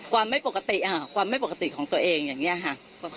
ความไม่ปกติค่ะความไม่ปกติของตัวเองอย่างนี้ค่ะ